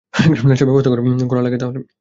নাচার ব্যবস্থা করা লাগে তাহলে।